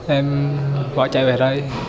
em bỏ chạy về đây